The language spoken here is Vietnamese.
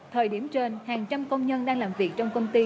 thời điểm trên hàng trăm công nhân đang làm việc trong công ty